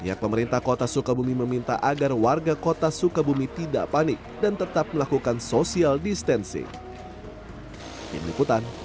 pihak pemerintah kota sukabumi meminta agar warga kota sukabumi tidak panik dan tetap melakukan social distancing